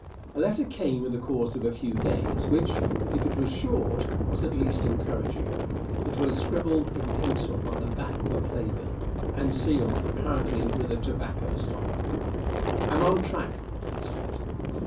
A letter came in the course of a few days, which, if it was short, was at least encouraging. It was scribbled in pencil on the back of a play bill, and sealed apparently with a tobacco stopper. "Am on the track," it said.